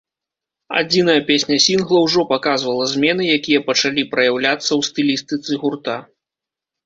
Адзіная песня сінгла ўжо паказвала змены, якія пачалі праяўляцца ў стылістыцы гурта.